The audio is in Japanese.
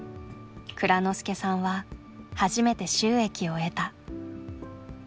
蔵之介さんは初めて収益を得た。